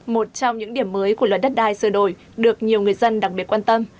một trong những điểm mới của luật đất đai sửa đổi được nhiều người dân đặc biệt quan tâm